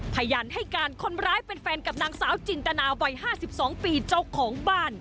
พยานให้การคนร้ายเป็นแฟนกับนางสาวจินตนาวัย๕๒ปีเจ้าของบ้าน